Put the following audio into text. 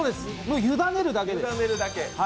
委ねるだけです。